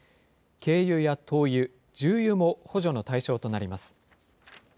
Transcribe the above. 軽油や灯油、重油も補助の対象となります。